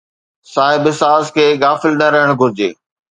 صاحب ساز کي غافل نه رهڻ گهرجي